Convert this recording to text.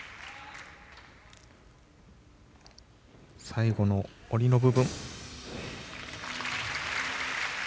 最後の下りの部分。